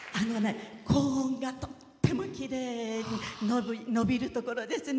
高音がとってもきれいに伸びるところですね。